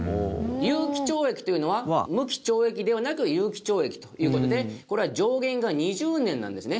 有期懲役というのは無期懲役ではなく有期懲役という事でこれは上限が２０年なんですね。